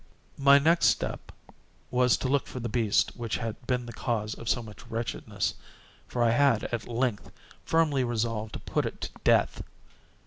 My next step was to look for the beast which had been the cause of so much wretchedness; for I had, at length, firmly resolved to put it to death.